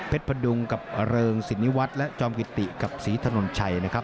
พดุงกับเริงสินิวัฒน์และจอมกิติกับศรีถนนชัยนะครับ